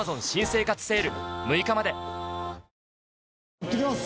いってきます！